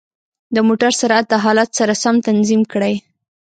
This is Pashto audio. د موټرو سرعت د حالت سره سم تنظیم کړئ.